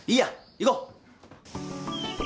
行こう！